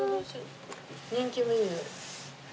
人気メニュー。